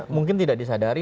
mungkin tidak disadari